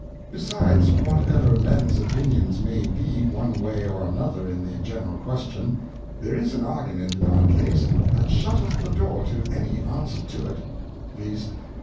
Besides whatever Mens Opinions may be one way or another in the general Question, there is an Argument in our Case that shutteth the Door to any Answer to it : viz.